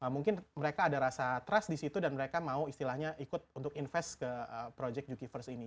mungkin mereka ada rasa trust di situ dan mereka mau istilahnya ikut untuk invest ke project juki first ini